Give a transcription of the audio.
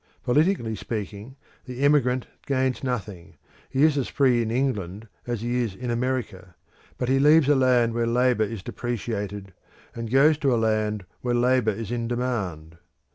Politically speaking, the emigrant gains nothing; he is as free in England as he is in America; but he leaves a land where labour is depreciated, and goes to a land where labour is in demand.